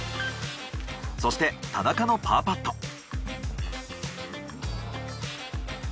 そして田中のパーパット。